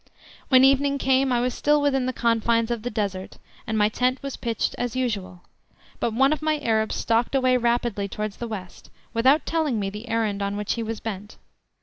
When evening came I was still within the confines of the Desert, and my tent was pitched as usual; but one of my Arabs stalked away rapidly towards the west, without telling me of the errand on which he was bent.